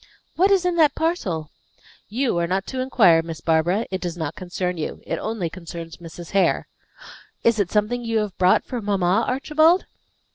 What is in that parcel?" "You are not to inquire, Miss Barbara. It does not concern you. It only concerns Mrs. Hare." "Is it something you have brought for mamma, Archibald?"